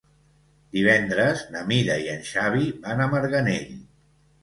Divendres na Mira i en Xavi van a Marganell.